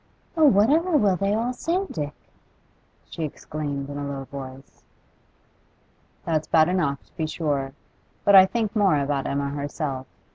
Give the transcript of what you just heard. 'Oh, what ever will they all say, Dick?' she exclaimed in a low voice. 'That's bad enough, to be sure, but I think more about Emma herself.